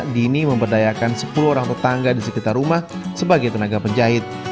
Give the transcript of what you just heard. dini memberdayakan sepuluh orang tetangga di sekitar rumah sebagai tenaga penjahit